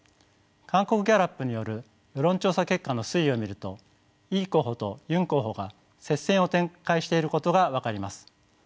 韓国ギャラップによる世論調査結果の推移を見るとイ候補とユン候補が接戦を展開していることが分かります。